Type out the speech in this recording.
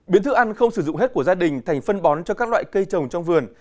biến thức ăn không sử dụng hết của gia đình thành phân bón cho các loại cây trồng trong vườn